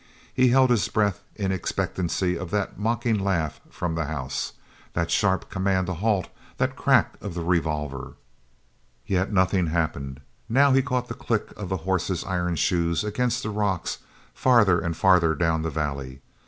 He held his breath in expectancy of that mocking laugh from the house that sharp command to halt that crack of the revolver. Yet nothing happened. Now he caught the click of the horses' iron shoes against the rocks farther and farther down the valley.